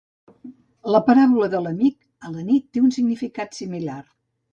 La paràbola de l"Amic a la nit té un significat similar.